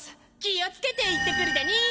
気をつけて行ってくるだに。